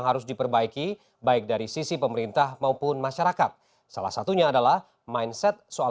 raut pilu masih tampak jelas di wajah josua